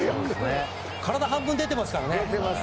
体半分、出てますからね。